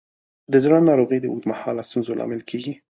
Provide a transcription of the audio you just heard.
د زړه ناروغۍ د اوږد مهاله ستونزو لامل کېږي.